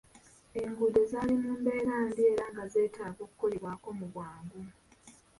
Enguudo zaali mu mbeera mbi era nga zeetaaga okukolebwako mu bwangu.